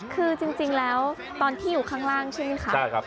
คือจริงแล้วตอนที่อยู่ข้างล่างใช่ไหมคะ